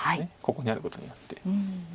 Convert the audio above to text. ここにあることによって。